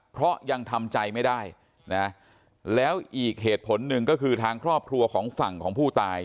เพราะยังทำใจไม่ได้นะแล้วอีกเหตุผลหนึ่งก็คือทางครอบครัวของฝั่งของผู้ตาย